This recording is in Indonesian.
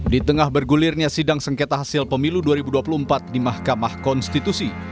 di tengah bergulirnya sidang sengketa hasil pemilu dua ribu dua puluh empat di mahkamah konstitusi